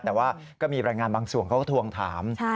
แต่ว่าก็มีรายงานบางส่วนเขาก็ทวงถาม